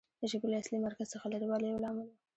د ژبې له اصلي مرکز څخه لرې والی یو لامل و